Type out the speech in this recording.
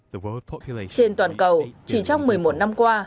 trên toàn cầu chỉ trong một mươi một năm qua